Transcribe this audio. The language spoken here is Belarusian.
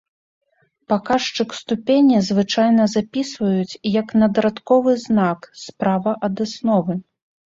Паказчык ступені звычайна запісваюць як надрадковы знак справа ад асновы.